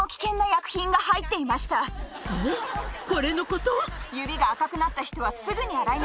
これのこと？